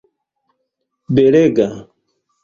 belega